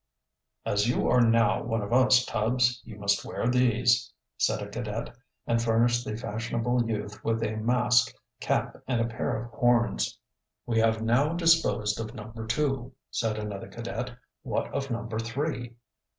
"As you are now one of us, Tubbs, you must wear these," said a cadet, and furnished the fashionable youth with a mask, cap, and pair of horns. "We have now disposed of number two," said another cadet. "What of number three?"